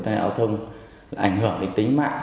giao thông ảnh hưởng đến tính mạng